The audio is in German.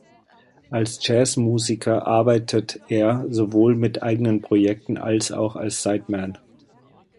Als Jazzmusiker arbeitet er sowohl mit eigenen Projekten, als auch als Sideman.